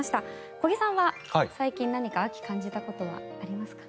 小木さんは最近何か秋を感じたことはありますか。